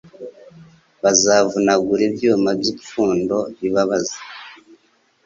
Bazavunagura ibyuma by'ipfundo bibabaza